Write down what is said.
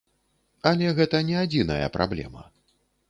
Але гэта не адзіная праблема.